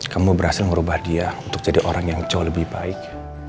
kamu berhasil merubah dia untuk jadi orang yang jauh lebih baik